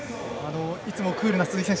いつもクールな鈴木選手